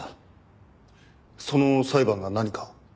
その裁判が何か？